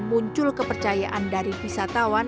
muncul kepercayaan dari wisatawan